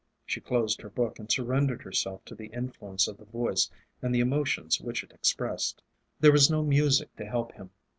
She closed her book and surrendered herself to the influence of the voice and the emotions which it expressed. There was no music to help him.